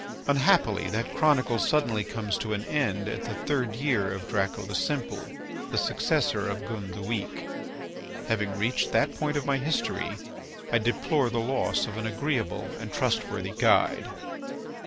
Unhappily, that chronicle suddenly comes suddenly to an end at the third year of Draco the Simple, the successor of Gun the Weak. Having reached that point of my history, I deplore the loss of an agreeable and trustworthy guide.